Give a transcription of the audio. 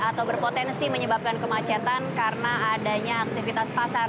atau berpotensi menyebabkan kemacetan karena adanya aktivitas pasar